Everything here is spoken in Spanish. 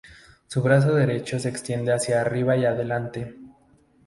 Su brazo derecho se extiende hacia arriba y adelante.